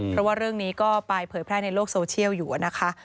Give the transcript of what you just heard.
เพราะว่าเรื่องนี้ก็ไปเผยแพร่ในโลกโซเชียลอยู่นะคะ